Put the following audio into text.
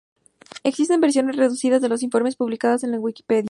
Existen versiones reducidas de los informes publicadas en la Wikipedia.